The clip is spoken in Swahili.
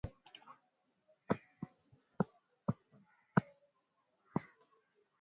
vitengo vya jeshi vina kazi kubwa ya kutunza usalama wa nchi